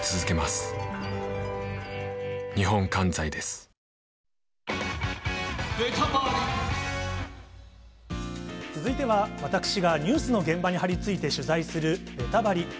「アサヒザ・リッチ」新発売続いては私がニュースの現場に張り付いて取材する、ベタバリ！